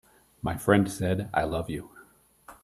My friend said: "I love you."